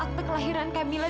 dan akte kelahiran kamila